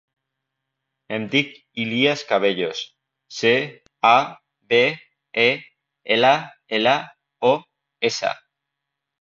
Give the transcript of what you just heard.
Em dic Ilías Cabellos: ce, a, be, e, ela, ela, o, essa.